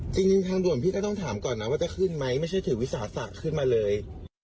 จริงทางด่วนพี่ก็ต้องถามก่อนนะว่าจะขึ้นไหมไม่ใช่ถือวิสาสะขึ้นมาเลย